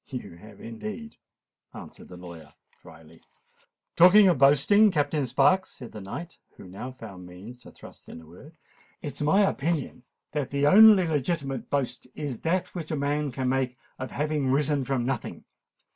"You have indeed," answered the lawyer drily. "Talking of boasting, Captain Sparks," said the knight, who now found means to thrust in a word, "it is my opinion that the only legitimate boast is that which a man can make of having risen from nothing.